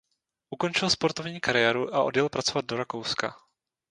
Ukončil sportovní kariéru a odjel pracovat do Rakouska.